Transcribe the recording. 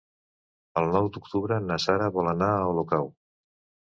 El nou d'octubre na Sara vol anar a Olocau.